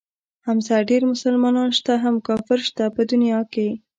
حمزه ډېر مسلمانان شته هم کافر شته په دنيا کښې.